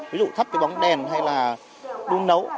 ví dụ thắt cái bóng đèn hay là đun nấu